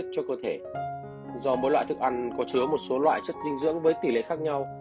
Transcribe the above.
các loại thức ăn có chứa một số loại chất dinh dưỡng với tỷ lệ khác nhau